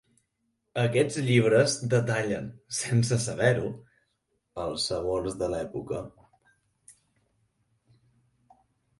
Aquests llibres detallen, sense saber-ho, els sabors de l'època.